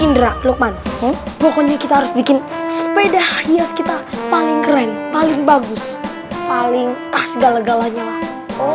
indra lukman pokoknya kita harus bikin sepeda hias kita paling keren paling bagus paling ah segala galanya lah oh